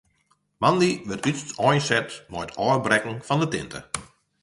Moandei wurdt úteinset mei it ôfbrekken fan de tinte.